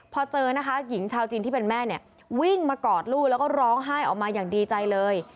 พอเจอนะคะหญิงชาวจีนที่เป็นแม่เนี่ยวิ่งมากอดลูกแล้วก็ร้องไห้ออกมาอย่างดีใจเลย